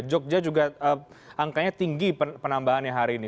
jogja juga angkanya tinggi penambahannya hari ini